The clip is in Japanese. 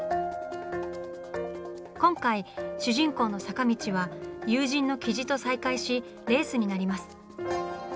今回主人公の坂道は友人の雉と再会しレースになります。